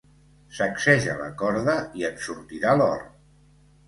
Sacseja la corda i en sortirà l'or.